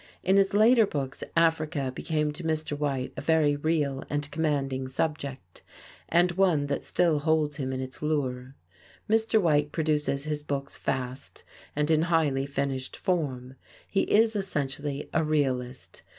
In his later books, Africa became to Mr. White a very real and commanding subject and one that still holds him in its lure. Mr. White produces his books fast and in highly finished form. He is essentially a realist.